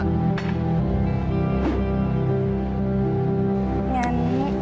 งั้น